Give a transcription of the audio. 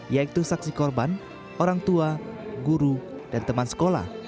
yaitu saksi korban orang tua guru dan teman sekolah